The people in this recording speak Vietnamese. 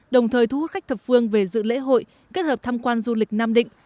đồng thời thu hút khách thập phương về dự lễ hội kết hợp tham quan du lịch nam định